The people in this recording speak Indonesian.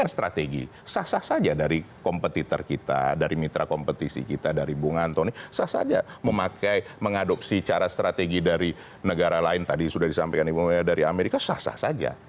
sah sah saja dari kompetitor kita dari mitra kompetisi kita dari bung antoni sah saja memakai mengadopsi cara strategi dari negara lain tadi sudah disampaikan ibu mia dari amerika sah sah saja